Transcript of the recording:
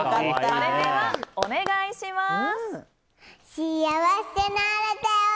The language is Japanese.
それでは、お願いします。